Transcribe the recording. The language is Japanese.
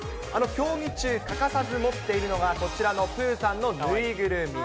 競技中、欠かさず持っているのが、こちらのプーさんの縫いぐるみ。